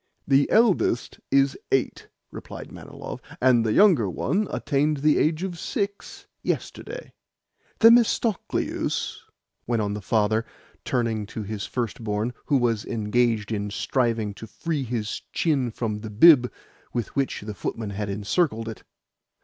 "The eldest is eight," replied Manilov, "and the younger one attained the age of six yesterday." "Themistocleus," went on the father, turning to his first born, who was engaged in striving to free his chin from the bib with which the footman had encircled it.